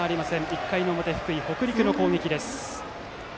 １回の表、福井・北陸の攻撃です。